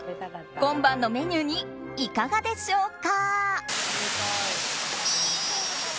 今晩のメニューにいかがでしょうか？